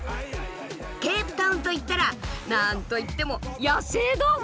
ケープタウンといったら何と言っても野生動物。